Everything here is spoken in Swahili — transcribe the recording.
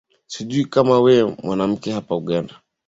sijui kama we mwanamke hapa uganda